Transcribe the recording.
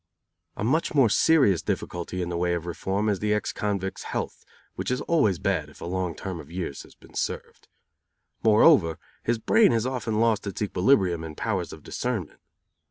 A much more serious difficulty in the way of reform is the ex convict's health which is always bad if a long term of years has been served. Moreover, his brain has often lost its equilibrium and powers of discernment.